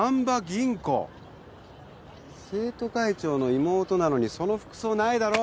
生徒会長の妹なのにその服装ないだろ？